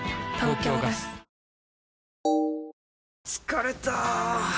疲れた！